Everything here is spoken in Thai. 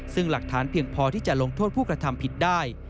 ซึ่งหลักฐานเพียงพอที่จะลงโทษผู้กระทำผิดได้